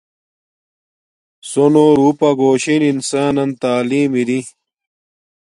سُونو روپا گھوشن انسان نن تعلیم اری